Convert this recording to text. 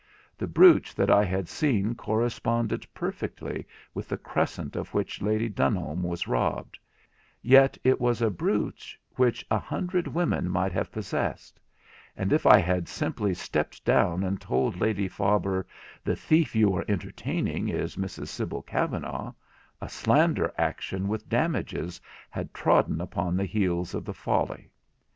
The brooch that I had seen corresponded perfectly with the crescent of which Lady Dunholme was robbed—yet it was a brooch which a hundred women might have possessed; and if I had simply stepped down and told Lady Faber, 'the thief you are entertaining is Mrs Sibyl Kavanagh', a slander action with damages had trodden upon the heels of the folly.